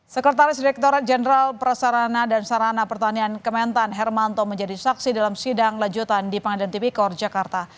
sekretaris direkturat jenderal persarana dan sarana pertanian kementan hermanto menjadi saksi dalam sidang lanjutan di pengadilan tipikor jakarta